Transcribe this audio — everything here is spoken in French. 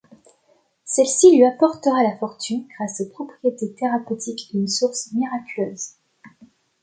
Celle-ci lui apportera la fortune grâce aux propriétés thérapeutiques d'une source miraculeuse.